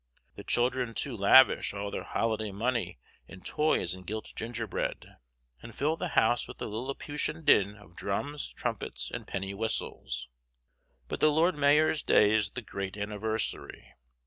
The children too lavish all their holiday money in toys and gilt gingerbread, and fill the house with the Lilliputian din of drums, trumpets, and penny whistles. But the Lord Mayor's Day is the great anniversary.